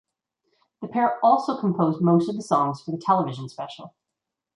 The pair also composed most of the songs for the television special.